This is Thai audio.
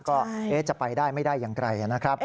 ก็จะไปได้ไม่ได้อย่างไรนะครับ